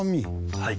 はい。